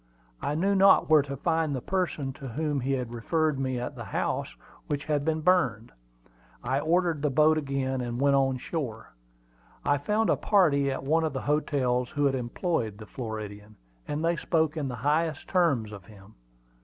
I knew not where to find the person to whom he had referred me at the house which had been burned. I ordered the boat again, and went on shore. I found a party at one of the hotels who had employed the Floridian, and they spoke in the highest terms of him.